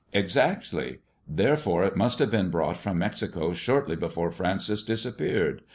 " Exactly 1 Therefore it must have been brought from Alexico shortly before Francis disappeared.